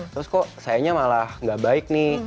terus kok sayanya malah gak baik nih